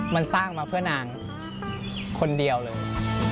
มันสร้างมาเพื่อนางคนเดียวเลย